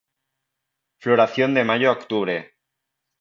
Floración de mayo a octubre.